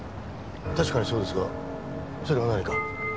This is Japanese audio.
確かにそうですがそれが何か？